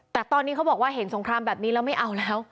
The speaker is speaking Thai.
แต่ตอนนี้เขาบอกว่าเห็นสงครามแบบนี้แล้วไม่เอาแล้ว